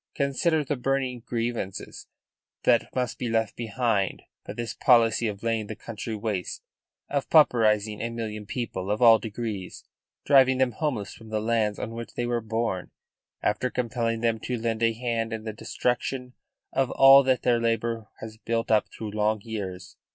Consider the burning grievances that must be left behind by this policy of laying the country waste, of pauperising a million people of all degrees, driving them homeless from the lands on which they were born, after compelling them to lend a hand in the destruction of all that their labour has built up through long years.